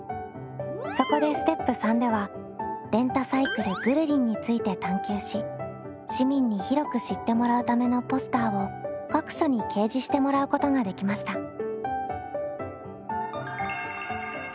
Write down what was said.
そこでステップ３ではレンタサイクル「ぐるりん」について探究し市民に広く知ってもらうためのポスターを各所に掲示してもらうことができました。